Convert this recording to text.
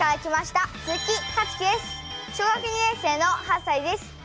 小学２年生の８さいです。